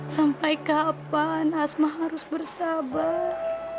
sampai kapan asma harus bersabar